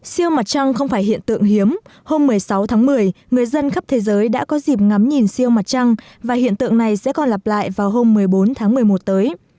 siêu mặt trăng không phải hiện tượng hiếm hôm một mươi sáu tháng một mươi người dân khắp thế giới đã có dịp ngắm nhìn siêu mặt trăng và hiện tượng này sẽ còn lặp lại vào hôm một mươi bốn tháng một mươi một tới